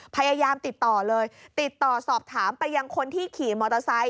พยายามติดต่อเลยติดต่อสอบถามไปยังคนที่ขี่มอเตอร์ไซค